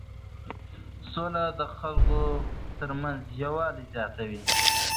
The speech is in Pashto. سوله د خلکو ترمنځ یووالی زیاتوي.